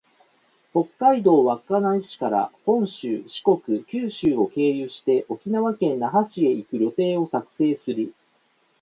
北海道稚内市から本州、四国、九州を経由して、沖縄県那覇市へ行く旅程を作成する